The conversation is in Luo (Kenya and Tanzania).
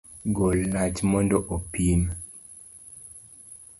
Gol lach mondo opim